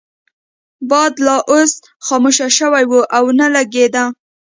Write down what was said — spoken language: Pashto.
باد لا اوس خاموشه شوی وو او نه لګیده.